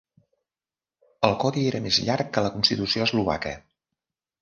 El codi era més llarg que la Constitució Eslovaca.